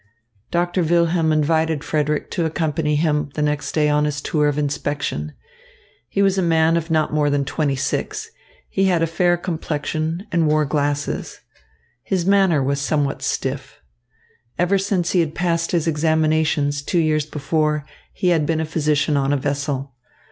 Doctor Wilhelm invited Frederick to accompany him the next day on his tour of inspection. He was a man of not more than twenty six. He had a fair complexion and wore glasses. His manner was somewhat stiff. Ever since he had passed his examinations, two years before, he had been a physician on a vessel.